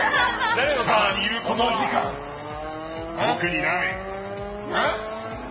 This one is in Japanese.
貴様に言うことは特にない！